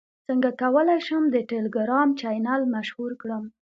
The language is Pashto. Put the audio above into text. څنګه کولی شم د ټیلیګرام چینل مشهور کړم